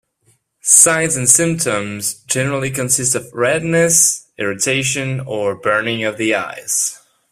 Signs and symptoms generally consist of redness, irritation or burning of the eyes.